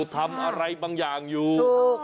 ทำอะไรบางอย่างอยู่